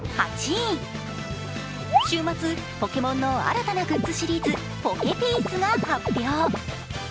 週末、「ポケモン」の新たなグッズシリーズポケピースが発表。